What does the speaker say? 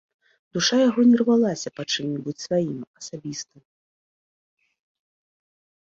Душа яго не рвалася па чым-небудзь сваім, асабістым.